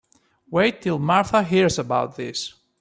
Wait till Martha hears about this.